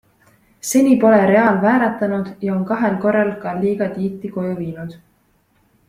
Seni pole Real vääratanud ja on kahel korral ka liiga tiitli koju viinud.